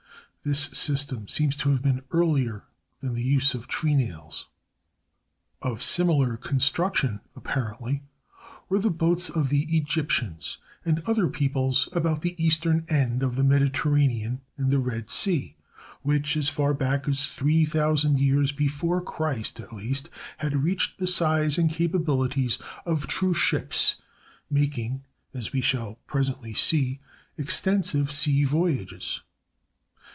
This system seems to have been earlier than the use of treenails. [Illustration: PROA, WITH OUTRIGGER.] Of similar construction, apparently, were the boats of the Egyptians and other peoples about the eastern end of the Mediterranean and the Red Sea, which, as far back as three thousand years before Christ, at least, had reached the size and capabilities of true ships, making, as we shall presently see, extensive sea voyages.